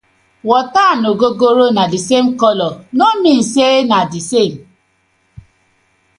Water and ogogoro na the same colour, no mean say na the same: